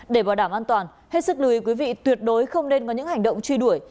để bảo đảm an toàn hết sức lưu ý quý vị tuyệt đối không nên có những hành động truy đuổi